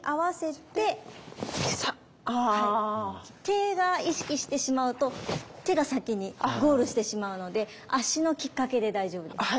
手が意識してしまうと手が先にゴールしてしまうので足のきっかけで大丈夫です。